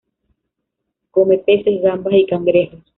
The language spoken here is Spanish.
Come peces, gambas y cangrejos.